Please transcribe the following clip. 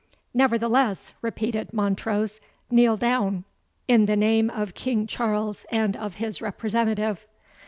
"Nevertheless," repeated Montrose, "kneel down, in the name of King Charles and of his representative."